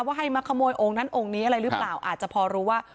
ว่าให้มาขโมยโอ่งนั้นโอ่งนี้อะไรรึเปล่าอาจจะพอรู้ว่า